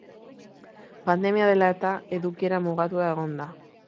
Pandemia dela eta, edukiera mugatuta egon da.